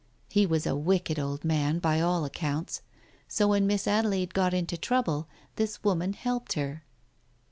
He was a wicked old man, by all accounts. So when Miss Adelaide got into trouble, this woman helped her.